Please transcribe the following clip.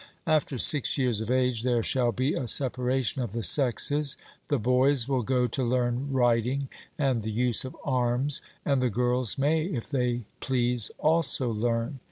After six years of age there shall be a separation of the sexes; the boys will go to learn riding and the use of arms, and the girls may, if they please, also learn.